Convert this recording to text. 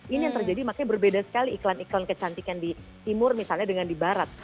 ini yang terjadi makanya berbeda sekali iklan iklan kecantikan di timur misalnya dengan di barat